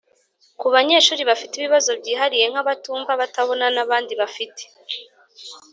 ku banyeshuri bafite ibibazo byihariye nk’abatumva, abatabona n’abandi bafite